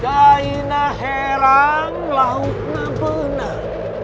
jainah herang lautnya benar